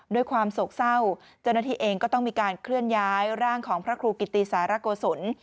ด้วยความโศกเศร้าเจ้าหน้าที่เองก็ต้องมีการเคลื่อนย้ายร่างของพระครูกิติสารโกศล